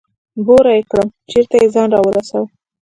بوره يې کړم چېرته يې ځان راورسوه.